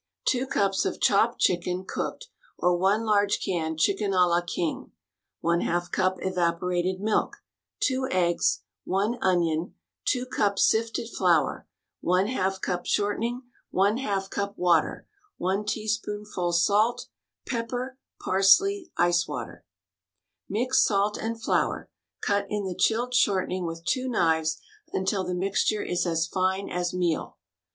2 cups of chopped chicken (cooked) or one large can Chicken a la King 1/2 cup evaporated milk 2 eggs 1 onion 2 cups sifted flour J^ cup shortening ^2 cup water 1 teaspoonful salt Pepper Parsley Ice water Mix salt and flour — cut in the chilled shortening with two knives until the mixture is as fine as meal.